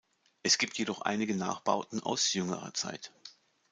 Es gibt jedoch einige Nachbauten aus jüngerer Zeit.